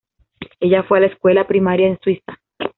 Ella fue a la escuela primaria en Suiza.